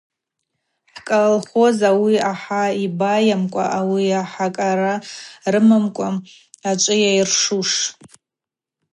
Хӏкӏалхоз ауи ахӏа йбайамкӏва, ауи ахӏа кӏара рымамкӏва ачӏвыйа йыршуш.